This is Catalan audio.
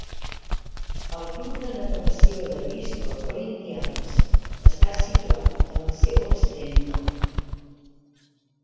El club de navegació de Bristol Corinthians està situat en el seu extrem nord.